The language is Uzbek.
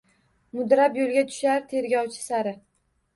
Mudrab yo’lga tushar tergovchi sari —